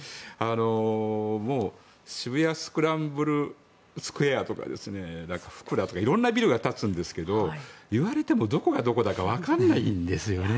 もう渋谷スクランブルスクエアとか色んなビルが建つんですけど言われてもどこがどこだかわからないんですよね。